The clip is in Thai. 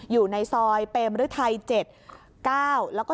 อยู่ในซอยเปรมฤทัย๗๙แล้วก็